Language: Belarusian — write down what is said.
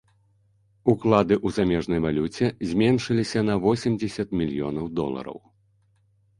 Уклады ў замежнай валюце зменшыліся на восемдзесят мільёнаў долараў.